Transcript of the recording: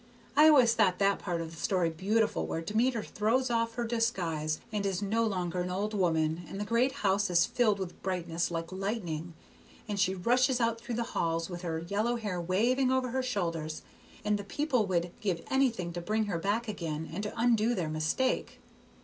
I always thought that part of the story beautiful where Demeter throws off her disguise and is no longer an old woman, and the great house is filled with brightness like lightning, and she rushes out through the halls with her yellow hair waving over her shoulders, and the people would give anything to bring her back again, and to undo their mistake.